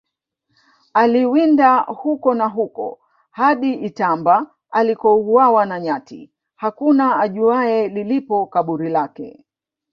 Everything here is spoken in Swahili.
aliwinda huko na huko hadi itamba alikouawa na nyati Hakuna ajuaye lilipo kaburi lake